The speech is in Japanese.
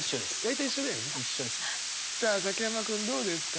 さあ崎山君どうですか？